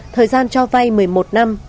thời gian cho vay một mươi một năm